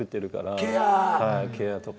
ケアとか。